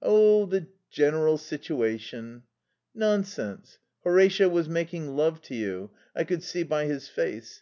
"Oh, the general situation." "Nonsense. Horatio was making love to you. I could see by his face....